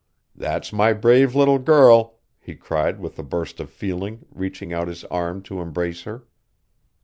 "That's my brave little girl!" he cried with a burst of feeling, reaching out his arm to embrace her.